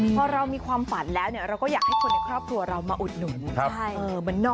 พอเรามีความฝันแล้วเราก็อยากให้คนในครอบครัวเรามาอุดหนุน